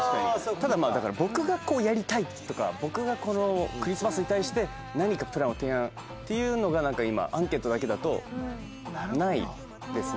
ただまあだから僕がこうやりたい！とか僕がこのクリスマスに対して何かプランを提案っていうのがなんか今アンケートだけだとないですね。